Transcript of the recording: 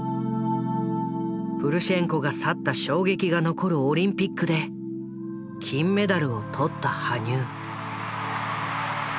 プルシェンコが去った衝撃が残るオリンピックで金メダルを取った羽生。